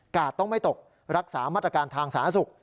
ต้องไม่ตกรักษามาตรการทางสาธารณสุข